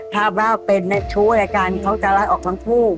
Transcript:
ถ้าเป็นชู้อะไรกันเขาจะรักออกทั้งคู่